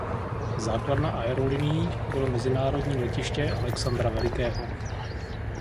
Základna aerolinií bylo mezinárodní letiště Alexandra Velikého.